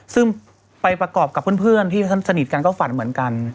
ซึ่งไปประกอบกับเพื่อนที่สนิทกันก็ฝันเหมือนกัน